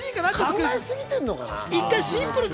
考えすぎてるのかな？